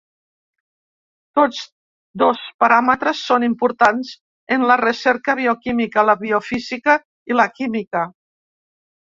Tots dos paràmetres són importants en la recerca bioquímica, la biofísica i la química.